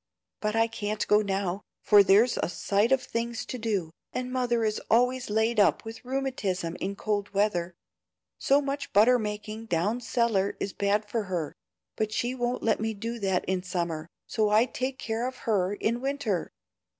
But I can't go now, for there's a sight of things to do, and mother is always laid up with rheumatism in cold weather. So much butter making down cellar is bad for her; but she won't let me do that in summer, so I take care of her in winter.